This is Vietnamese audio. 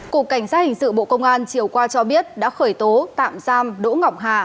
cục cảnh sát hình sự bộ công an chiều qua cho biết đã khởi tố tạm giam đỗ ngọc hà